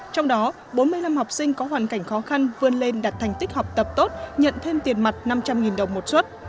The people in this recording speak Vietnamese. trong đó bốn mươi năm học sinh có hoàn cảnh khó khăn vươn lên đặt thành tích học tập tốt nhận thêm tiền mặt năm trăm linh đồng một suất